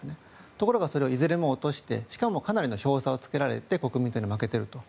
ところがそれをいずれも落としてしかもかなりの票差をつけて国民党に負けていると。